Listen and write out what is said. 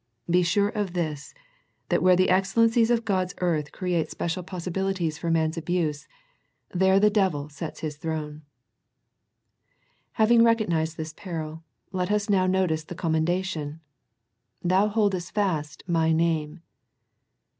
Be sure of this that where the excellencies of God's earth create special 90 A First Century Message possibilities for man's abuse, there the devil sets his throne. Having recognized this peril, let us now no I tice the commendation. " Thou boldest fast My name."